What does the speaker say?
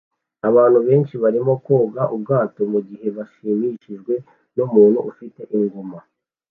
Abantu benshi barimo koga ubwato mugihe bashimishijwe numuntu ufite ingoma